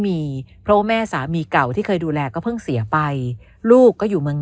มีเพราะว่าแม่สามีเก่าที่เคยดูแลก็เพิ่งเสียไปลูกก็อยู่เมือง